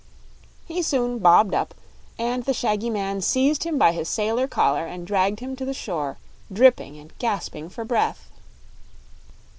He soon bobbed up, and the shaggy man seized him by his sailor collar and dragged him to the shore, dripping and gasping for breath.